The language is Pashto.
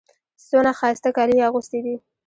څونه ښایسته کالي يې اغوستي دي.